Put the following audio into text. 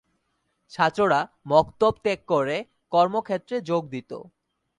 ছাত্ররা মক্তব ত্যাগ করে কর্মক্ষেত্রে যোগ দিত।